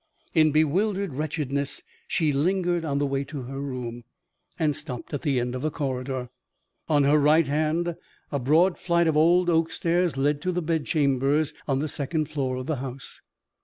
In bewildered wretchedness she lingered on the way to her room, and stopped at the end of a corridor. On her right hand, a broad flight of old oak stairs led to the bed chambers on the second floor of the house.